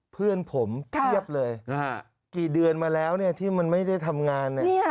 เพื่อนผมเพียบเลยกี่เดือนมาแล้วที่มันไม่ได้ทำงาน